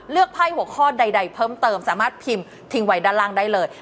ไพ่หัวข้อใดเพิ่มเติมสามารถพิมพ์ทิ้งไว้ด้านล่างได้เลย